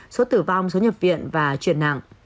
số tử vong số nhập viện và chuyển nặng